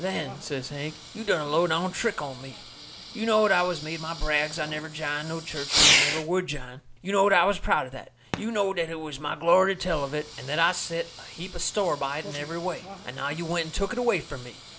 "Then," says Hank, "you done a low down trick on me. You knowed I has made my brags I never jined no church nor never would jine. You knowed I was proud of that. You knowed that it was my glory to tell of it, and that I set a heap of store by it in every way. And now you've went and took it away from me!